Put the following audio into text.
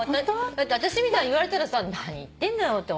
だって私みたいに言われたら何言ってんのよって。